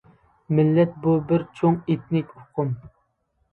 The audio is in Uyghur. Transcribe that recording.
مىللەت بۇ بىر چوڭ ئېتنىك ئۇقۇم.